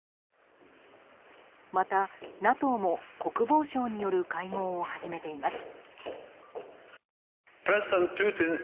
また、ＮＡＴＯも国防相による会合を始めています。